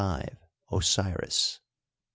Osiris; 6.